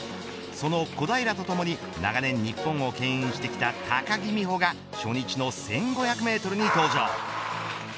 その小平とともに長年日本をけん引してきた高木美帆が初日の１５００メートルに登場。